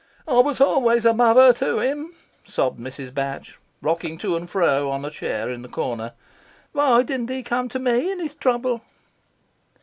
"I was always a mother to him," sobbed Mrs. Batch, rocking to and fro on a chair in a corner. "Why didn't he come to me in his trouble?"